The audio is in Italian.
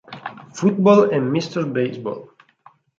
Football e Mr. Baseball.